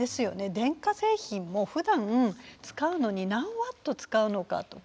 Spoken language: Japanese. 電化製品もふだん使うのに何ワット使うのかとか。